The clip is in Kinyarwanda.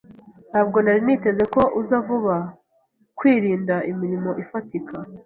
Ntabwo nari niteze ko uza vuba. (kwirinda imirimo ifatika)